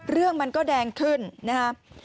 เรื่องมันก็แดงขึ้นนะครับ